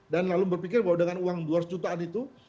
dan lalu berpikir bahwa dengan uang dua ratus jutaan itu